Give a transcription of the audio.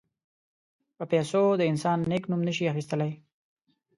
په پیسو د انسان نېک نوم نه شي اخیستلای.